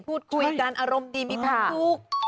พูดคุยกันอารมณ์ดีมีทุก